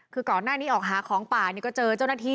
คือก่อนหน้านี้ออกหาของป่านี่ก็เจอเจ้าหน้าที่